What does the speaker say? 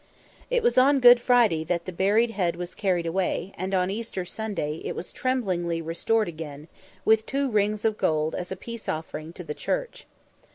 It was on Good Friday that the buried head was carried away, and on Easter Sunday, it was tremblingly restored again, with two rings of gold as a peace offering to the Church.